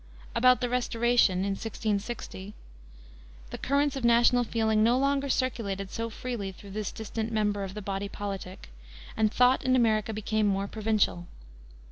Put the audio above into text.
After the Restoration, in 1660, the currents of national feeling no longer circulated so freely through this distant member of the body politic, and thought in America became more provincial.